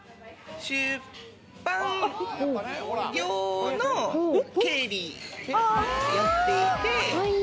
出版業の経理をやっていて。